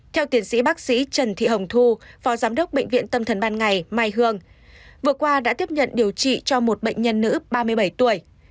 theo tiến sĩ bác sĩ trần thị hồng thu phó giám đốc bệnh viện tâm thần ban ngày mai hương vừa qua đã tiếp nhận điều trị cho một bệnh nhân nữ ba mươi bảy tuổi